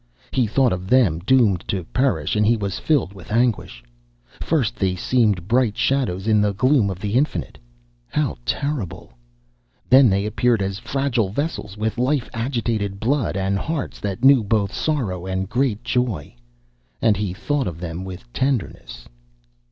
He thought of them doomed to perish, and he was filled with anguish. First they seemed bright shadows in the gloom of the Infinite. How terrible! Then they appeared as fragile vessels with life agitated blood, and hearts that knew both sorrow and great joy. And he thought of them with tenderness.